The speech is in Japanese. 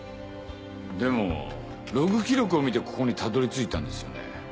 でもログ記録を見てここにたどり着いたんですよね？